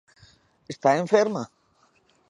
_Está enferma?